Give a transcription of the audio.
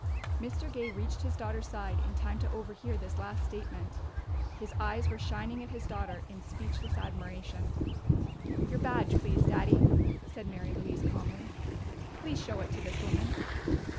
Mr. Gay reached his daughter's side in time to overhear this last statement. His eyes were shining at his daughter in speechless admiration. "Your badge, please, Daddy," said Mary Louise calmly. "Please show it to this woman."